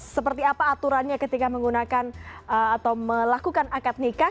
seperti apa aturannya ketika menggunakan atau melakukan akad nikah